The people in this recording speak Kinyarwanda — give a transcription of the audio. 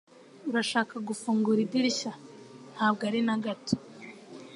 "Urashaka gufungura idirishya?" "Ntabwo ari na gato."